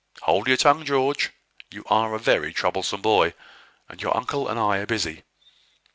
Hold your tongue, George! You are a very troublesome boy, and your uncle and I are busy.